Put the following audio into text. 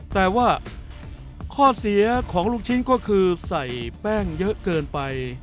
แต่ว่าข้อเสียของลูกชิ้นก็คือใส่แป้งเยอะเกินไป